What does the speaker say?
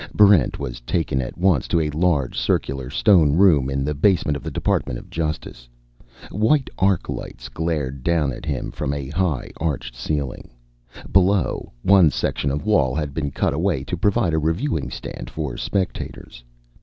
Barrent was taken at once to a large, circular stone room in the basement of the Department of Justice. White arc lights glared down at him from a high, arched ceiling. Below, one section of wall had been cut away to provide a reviewing stand for spectators.